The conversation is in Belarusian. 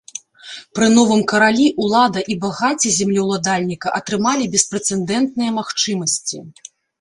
Пры новым каралі ўлада і багацце землеўладальніка атрымалі беспрэцэдэнтныя магчымасці.